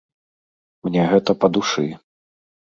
Мне гэта па душы.